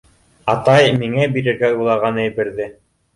— Атай миңә бирергә уйлаған әйберҙе.